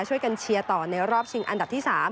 ช่วยกันเชียร์ต่อในรอบชิงอันดับที่๓